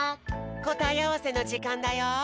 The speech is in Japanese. こたえあわせのじかんだよ。